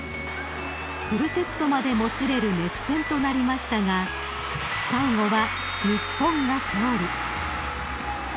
［フルセットまでもつれる熱戦となりましたが最後は日本が勝利］